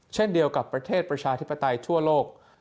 เช่นเดียวกับประเทศประชาธิปไตยทั่วโลก